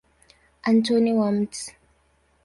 Antoni wa Mt.